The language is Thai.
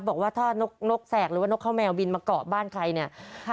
บอกว่าถ้านกนกแสกหรือว่านกข้าวแมวบินมาเกาะบ้านใครเนี่ย